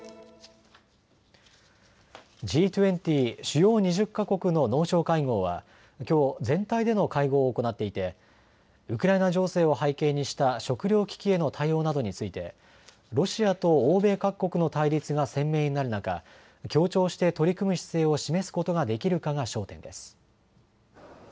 Ｇ２０・主要２０か国の農相会合はきょう、全体での会合を行っていてウクライナ情勢を背景にした食料危機への対応などについてロシアと欧米各国の対立が鮮明になる中、協調して取り組む姿勢を示すことができるかが焦点です。